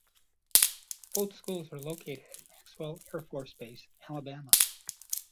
Both schools are located at Maxwell Air Force Base, Alabama.